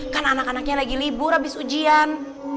kan anak anaknya lagi libur habis ujian